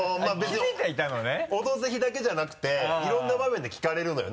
「オドぜひ」だけじゃなくていろんな場面で聞かれるのよ